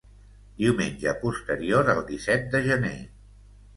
Diumenge posterior al disset de gener.